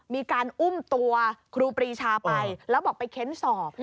มีการอุ้มตัวครูปรีชาไปแล้วบอกไปเค้นสอบ